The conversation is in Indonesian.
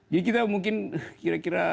jadi kita mungkin kira kira